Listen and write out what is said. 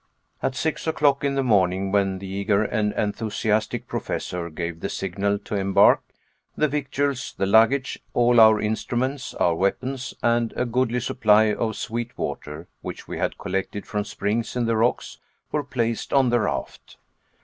At six o'clock in the morning, when the eager and enthusiastic Professor gave the signal to embark, the victuals, the luggage, all our instruments, our weapons, and a goodly supply of sweet water, which we had collected from springs in the rocks, were placed on the raft.